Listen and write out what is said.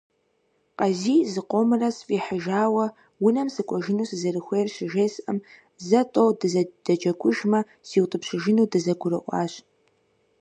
Къазий зыкъомрэ сфӀихьыжауэ, унэм сыкӀуэжыну сызэрыхуейр щыжесӀэм, зэ–тӀэу дызэдэджэгужмэ, сиутӏыпщыжыну дызэгурыӏуащ.